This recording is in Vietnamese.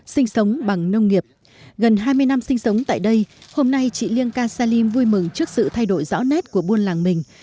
sinh sống bằng nông nghiệp gần hai mươi năm sinh sống tại đây hôm nay chị liên ca salim vui mừng trước sự thay đổi rõ nét của buôn làng mình